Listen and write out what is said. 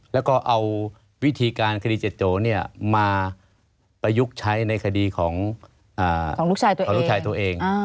แล้วก็เอาวิธีการคดีเจ็ดโจมาประยุกต์ใช้ในคดีของลูกชายตัวเอง